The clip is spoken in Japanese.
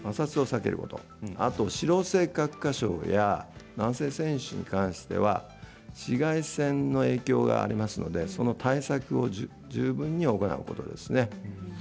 あと脂漏性角化症や軟性線維腫に関しては紫外線の影響がありますのでその対策を十分に行うことですね。